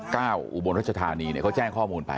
ก้าวอุบรรณรัชธานีเขาแจ้งข้อมูลไป